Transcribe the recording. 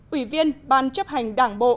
ủy viên ban chấp hành đảng bộ